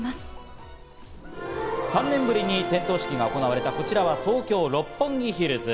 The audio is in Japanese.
３年ぶりに点灯式が行われたこちらは東京・六本木ヒルズ。